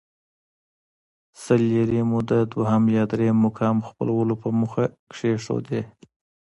سل لیرې مو د دویم یا درېیم مقام خپلولو په موخه کېښودې.